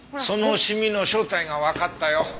そのシミの正体がわかったよ。